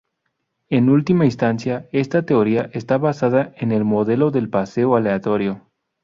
En última instancia esta teoría está basada en el modelo del paseo aleatorio.